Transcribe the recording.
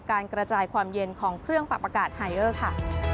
การกระจายความเย็นของเครื่องปรับอากาศไฮเออร์ค่ะ